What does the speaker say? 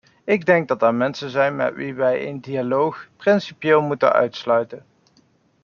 Ik denk dat er mensen zijn met wie wij een dialoog principieel moeten uitsluiten.